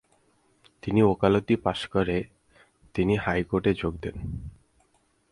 তিনি ওকালতি পাস করে তিনি হাইকোর্টে যোগ দেন।